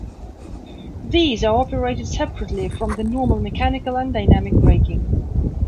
These are operated separately from the normal mechanical and dynamic braking.